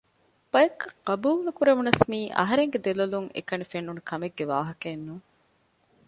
ބަޔަކަށް ޤަބޫލް ނުކުރެވުނަސް މިއީ އަހަރެންގެ ދެލޮލުން އެކަނި ފެނުނު ކަމެއްގެ ވާހަކައެއް ނޫން